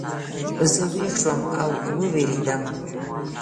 زه ویښ شوم او ووېرېدم.